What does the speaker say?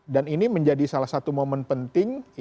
ini menjadi salah satu momen penting